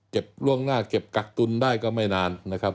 ล่วงหน้าเก็บกักตุลได้ก็ไม่นานนะครับ